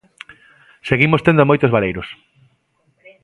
Seguimos tendo moitos baleiros.